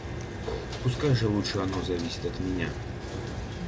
Пускай же лучше оно зависит от меня.